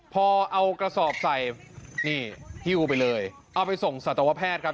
พอเอากระสอบใส่นี่หิ้วไปเลยเอาไปส่งสัตวแพทย์ครับ